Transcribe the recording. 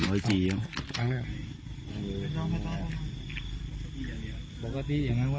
ปกติอย่างไรบ้างนะ